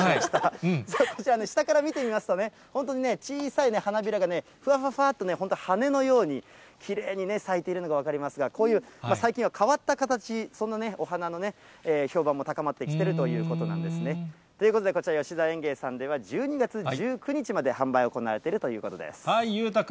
こちらね、下から見てみますと、本当にね、小さい花びらがふわふわっと本当、はねのようにきれいに咲いているのが分かりますが、こういう最近は変わった形、そんなお花の評判も高まってきてるということなんですね。ということでこちら、吉沢園芸さんでは、１２月１９日まで販売行われているということ裕太君、